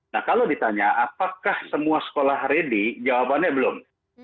nah kalau ditanya apakah semua sekolah ready jawabannya belum